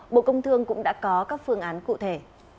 bộ công thương cũng đã có các phương án cụ thể